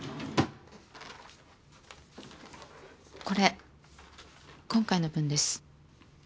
これ今回の分です。